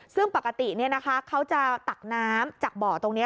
ซึ่งปกติเขาจะตักน้ำจากบ่อตรงนี้